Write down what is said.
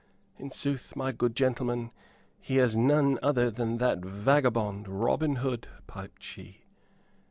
"In sooth, my good gentlemen, he is none other than that vagabond Robin Hood," piped she.